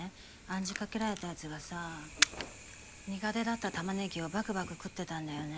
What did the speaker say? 暗示かけられたやつがさ苦手だったたまねぎをバクバク食ってたんだよねぇ。